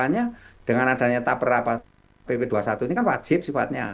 makanya dengan adanya tak pernah pp dua puluh satu ini kan wajib sifatnya